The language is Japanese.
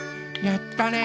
やったね。